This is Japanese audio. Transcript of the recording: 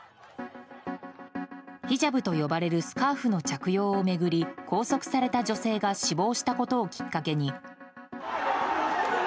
ヒジャブと呼ばれるスカーフの着用を巡り拘束された女性が死亡したことをきっかけに。